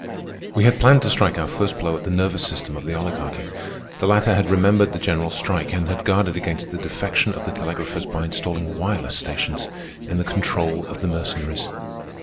We had planned to strike our first blow at the nervous system of the Oligarchy. The latter had remembered the general strike, and had guarded against the defection of the telegraphers by installing wireless stations, in the control of the Mercenaries.